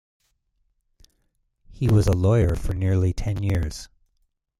He was a lawyer for nearly ten years.